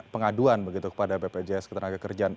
pengaduan begitu kepada bpjs naga kerjaan